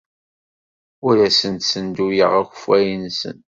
Ur asent-ssenduyeɣ akeffay-nsent.